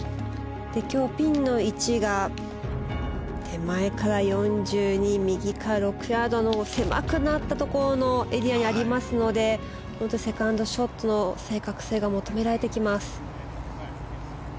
今日、ピンの位置が手前から４２右から６ヤードの狭くなったところのエリアになりますのでセカンドショットの正確性が求められてきます。